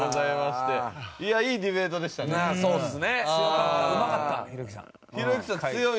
そうですね。